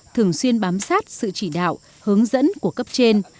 thường xuyên bám sát sự chỉ đạo hướng dẫn của cấp trên